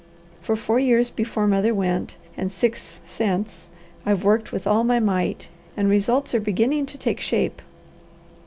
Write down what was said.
For four years before mother went, and six since, I've worked with all my might, and results are beginning to take shape.